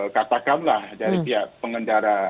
katakanlah dari pihak pengendara